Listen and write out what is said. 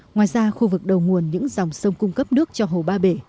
ngoài ra khu vực đầu nguồn những dòng sông cung cấp nước cho hồ ba bể